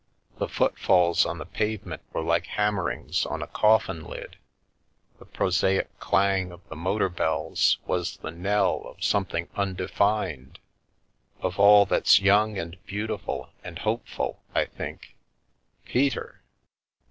The footfalls on the pavement were like hammerings on a coffin lid — the prosaic clang of the motor bells was the knell of something undefined — of all that's young and beautiful and hopeful, I think." "Peter!"